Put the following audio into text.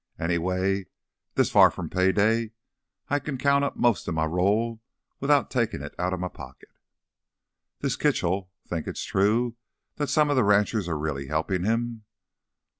Anyway, this far from payday I kin count up mosta m' roll without takin' it outta m' pocket." "This Kitchell...think it's true that some of the ranchers are really helpin' him?"